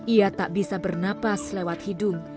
ia tak bisa bernapas lewat hidung